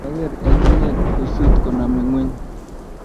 ko ang'er eng' inen kosut koname ng'weny.